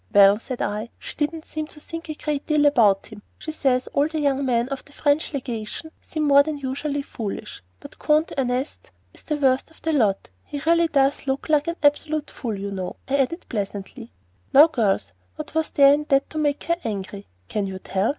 "'Well,' said I, 'she didn't seem to think a great deal about him. She says all the young men at the French legation seem more than usually foolish, but Comte Ernest is the worst of the lot. He really does look like an absolute fool, you know,' I added pleasantly. Now, girls, what was there in that to make her angry? Can you tell?